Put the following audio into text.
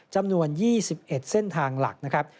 จำนวน๒๑เส้นทางหลักนะครับ